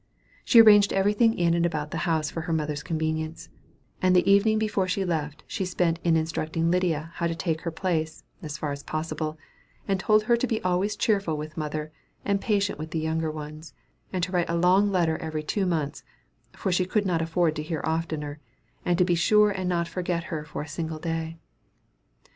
She arranged everything in and about the house for her mother's convenience; and the evening before she left she spent in instructing Lydia how to take her place, as far as possible, and told her to be always cheerful with mother, and patient with the younger ones, and to write a long letter every two months (for she could not afford to hear oftener), and to be sure and not forget her for a single day.